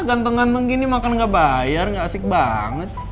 ganteng ganteng gini makan gak bayar gak asik banget